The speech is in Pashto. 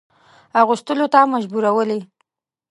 اغوستلو ته مجبورولې.